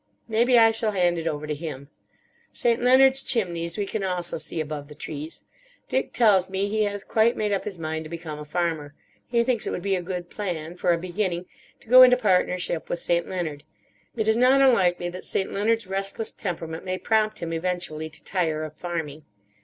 Maybe I shall hand it over to him. St. Leonard's chimneys we can also see above the trees. Dick tells me he has quite made up his mind to become a farmer. He thinks it would be a good plan, for a beginning, to go into partnership with St. Leonard. It is not unlikely that St. Leonard's restless temperament may prompt him eventually to tire of farming.